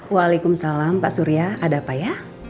waalaikumsalam pak surya ada pak ya